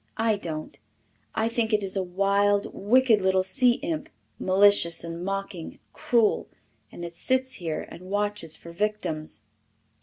"I don't. I think it is a wild, wicked little sea imp, malicious and mocking and cruel, and it sits here and watches for victims."